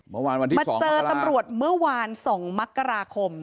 มาเจอตำรวจเมื่อวาน๒มักราคม